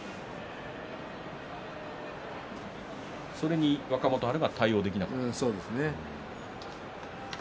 それに若元春が対応できなかったと。